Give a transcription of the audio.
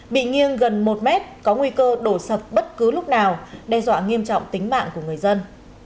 bị nghiêng gần một mét có nguy cơ đổ sập bất cứ lúc nào đe dọa nghiêm trọng tính mạng của người dân